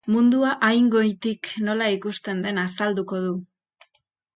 Mundua hain goitik nola ikusten den azalduko du.